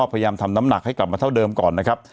พยายามทำน้ำหนักให้กลับมาเท่าเดิมก่อนนะครับ